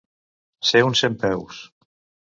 Ser un centpeus.